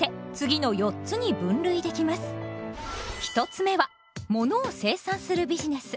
１つ目はものを生産するビジネス。